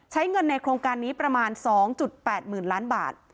ใช้เงินในโครงการนี้ประมาณ๒๘๐๐๐ล้านบาท